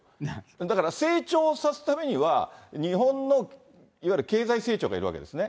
だから、成長させるためには日本の、いわゆる経済成長がいるわけですね。